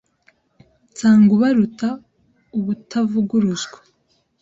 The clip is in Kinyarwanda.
Nsanga ubaruta ubutavuguruzwa!